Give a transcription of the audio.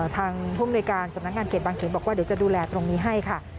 ทางผู้มนุยการสำนักงานเขตบางเขนบอกว่าเดี๋ยวจะดูแลตรงนี้ให้ค่ะ